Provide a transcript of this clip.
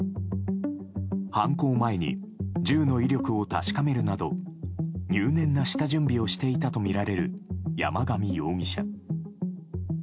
犯行前に銃の威力を確かめるなど入念な下準備をしていたとみられる山上容疑者。